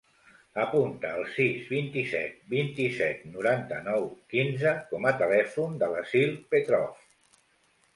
Apunta el sis, vint-i-set, vint-i-set, noranta-nou, quinze com a telèfon de l'Assil Petrov.